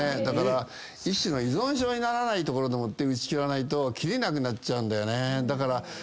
だから一種の依存症にならないところで打ち切らないと切りなくなっちゃうんだよね。